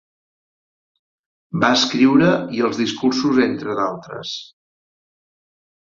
Va escriure i els discursos entre d'altres.